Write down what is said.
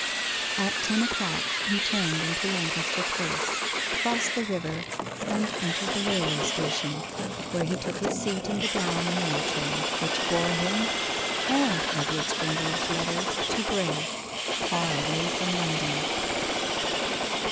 At ten o'clock he turned into Lancaster Place, crossed the river, and entered the railway station, where he took his seat in the down mail train, which bore him, and Edward Springrove's letter to Graye, far away from London.